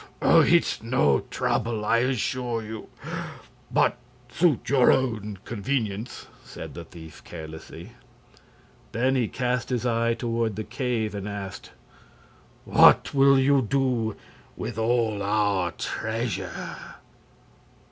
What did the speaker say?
"It's no trouble, I assure you; but suit your own convenience," said the thief, carelessly. Then he cast his eye toward the cave and asked: "What will you do with all our treasure?"